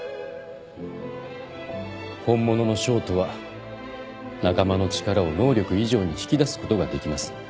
本物の将とは仲間の力を能力以上に引き出すことができます。